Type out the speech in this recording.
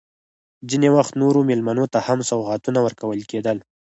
ځینې وخت نورو مېلمنو ته هم سوغاتونه ورکول کېدل.